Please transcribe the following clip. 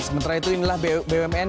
sementara itu inilah bumn